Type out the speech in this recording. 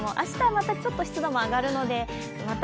またちょっと湿度も上がるのでまた